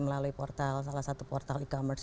melalui salah satu portal e commerce